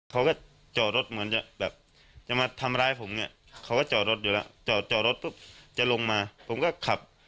เขาก็จอดรถเหมือนจะแบบจะมาทำร้ายผมเนี่ยเขาก็จอดรถอยู่แล้วจอดจอรถปุ๊บจะลงมาผมก็ขับ